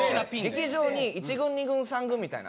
劇場に１軍２軍３軍みたいな。